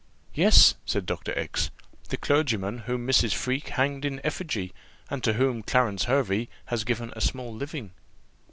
"Yes," said Dr. X , "the clergyman whom Mrs. Freke hanged in effigy, and to whom Clarence Hervey has given a small living."